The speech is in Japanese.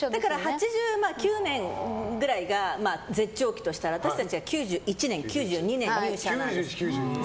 ８９年ぐらいが絶頂期としたら私たちが９１年、９２年入社なんです。